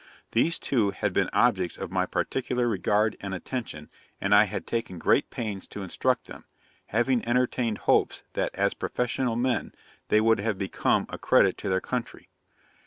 These two had been objects of my particular regard and attention, and I had taken great pains to instruct them, having entertained hopes that, as professional men, they would have become a credit to their country.